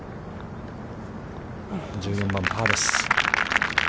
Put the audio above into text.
１４番、パーです。